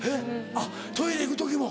あっトイレ行く時も？